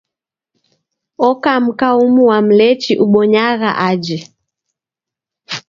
Oka mka umu wa Mlechi ubonyagha aje.